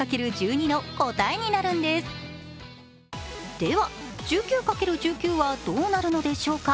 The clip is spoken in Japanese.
では、１９×１９はどうなるのでしょうか？